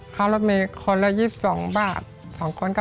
เข้ารถมีคนละ๒๒บาทสองคนก็๔๔